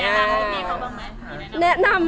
แนะนำให้พี่พลอยบางแบบหรือแนะนำ